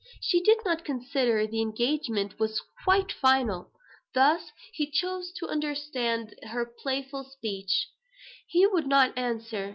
She did not consider the engagement as quite final: thus he chose to understand her playful speech. He would not answer.